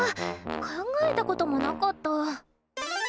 考えたこともなかった。